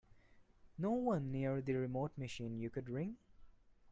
No one near the remote machine you could ring?